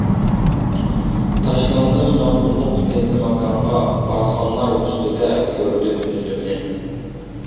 تاشلاندىم يالقۇنلۇق تەكلىماكانغا، بارخانلار ئۈستىدە كۆردۈم ئۆزۈمنى.